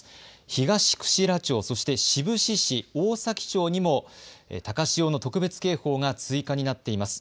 東串良町そして、志布志市、大崎町にも高潮の特別警報が追加になっています。